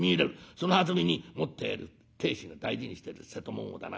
そのはずみに持っている亭主が大事にしてる瀬戸物をだな